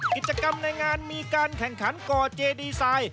กิจกรรมในงานมีการแข่งขันก่อเจดีไซน์